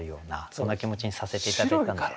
そんな気持ちにさせて頂いたので。